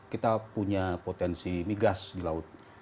kita punya potensi migas di laut